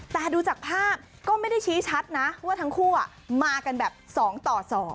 แต่ดูจากภาพก็ไม่ได้ชี้ชัดนะว่าทั้งคู่มากันแบบ๒ต่อ๒